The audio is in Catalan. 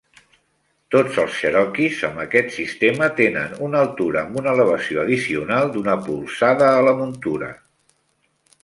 Tots els cherokees amb aquest sistema tenen una altura amb una elevació addicional d'una polzada a la muntura.